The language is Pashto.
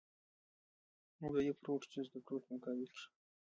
او د يو فروټ جوس د فروټ پۀ مقابله کښې